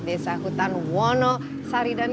desa hutan wono saridan